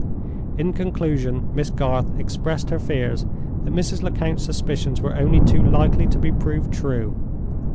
In conclusion, Miss Garth expressed her fears that Mrs. Lecount's suspicions were only too likely to be proved true.